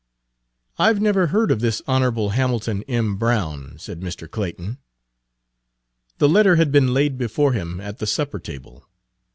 "I've never heard of this Honorable Hamilton M. Brown," said Mr. Clayton. The letter had been laid before him at the supper table.